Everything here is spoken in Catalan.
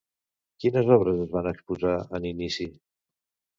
Quines obres es van exposar en inici?